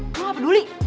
lu nggak peduli